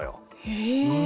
へえ。